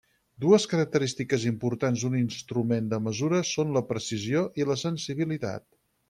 Dues característiques importants d'un instrument de mesura són la precisió i la sensibilitat.